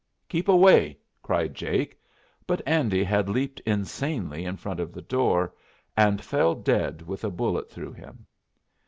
"Keep away!" cried Jake. But Andy had leaped insanely in front of the door, and fell dead with a bullet through him.